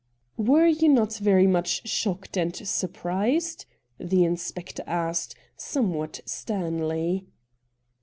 ' 'Were you not very much shocked and surprised ?' the inspector asked, somewhat sternly.